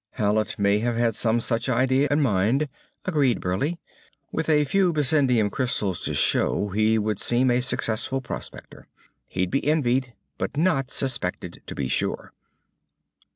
"Hallet may have had some such idea in his mind," agreed Burleigh. "With a few bessendium crystals to show, he would seem a successful prospector. He'd be envied but not suspected. To be sure!"